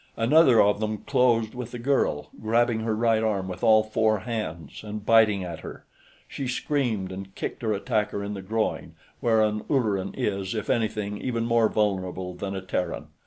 Another of them closed with the girl, grabbing her right arm with all four hands and biting at her; she screamed and kicked her attacker in the groin, where an Ulleran is, if anything, even more vulnerable than a Terran.